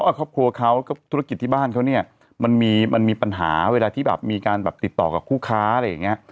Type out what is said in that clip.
ครอบครัวเขาก็ธุรกิจที่บ้านเขาเนี่ยมันมีมันมีปัญหาเวลาที่แบบมีการแบบติดต่อกับคู่ค้าอะไรอย่างเงี้ย